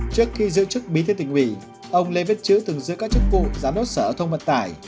trước khi giữ chức bí thiêu tù nghỉ ông lê vít chữ từng giữ các chức vụ giám đốc sở thông vật tải